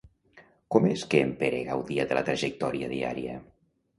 Com és que en Pere gaudia de la trajectòria diària?